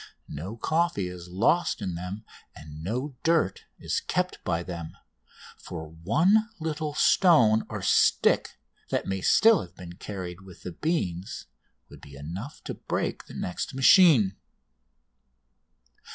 No coffee is lost in them and no dirt is kept by them, for one little stone or stick that may still have been carried with the beans would be enough to break the next machine.